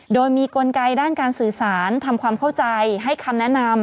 โดยมีกลไกด้านการสื่อสารทำความเข้าใจให้คำแนะนำ